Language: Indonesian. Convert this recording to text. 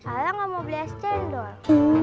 alia nggak mau beli cez cendol